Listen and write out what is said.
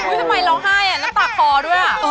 อุ๊ยทำไมร้องไห้แล้วตากคอด้วย